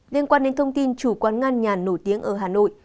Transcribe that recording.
liên quan đến thông tin chủ quán ngăn nhà nổi tiếng ở hà nội